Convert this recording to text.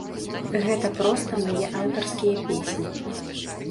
Гэта проста мае аўтарскія песні.